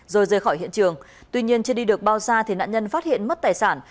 rồi rời khỏi hiện trường tuy nhiên chưa đi được bao xa thì nạn nhân phát hiện mất tài sản